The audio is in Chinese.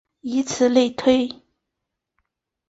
以此类推。